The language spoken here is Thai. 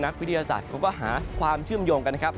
วิทยาศาสตร์เขาก็หาความเชื่อมโยงกันนะครับ